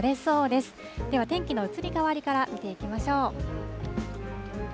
では天気の移り変わりから見ていきましょう。